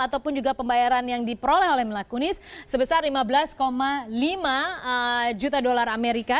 ataupun juga pembayaran yang diperoleh oleh melakunis sebesar lima belas lima juta dolar amerika